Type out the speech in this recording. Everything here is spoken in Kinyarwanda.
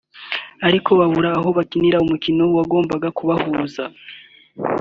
ariko Babura aho bakinira umukino wagumbaga kubahuza